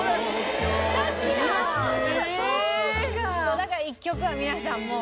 だから１曲は皆さんもう。